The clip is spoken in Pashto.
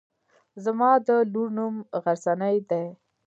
زما د لور نوم غرڅنۍ دی.